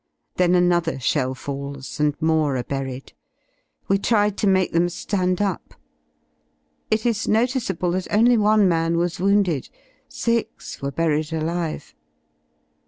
Then another shell falls and more are buried. We tried to make them ^and up. It is noticeable that only one man was wounded; six were buried alive.